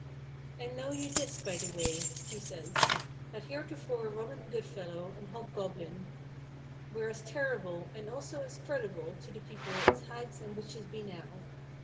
"And know you this by the waie," he says, "that heretofore Robin Goodfellow and Hob goblin were as terrible, and also as credible, to the people as hags and witches be now....